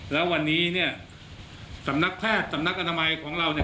แล้ววันนี้เนี่ยสำนักแพทย์สำนักอนามัยของเราเนี่ย